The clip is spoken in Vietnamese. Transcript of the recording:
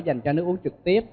dành cho nước uống trực tiếp